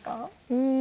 うん。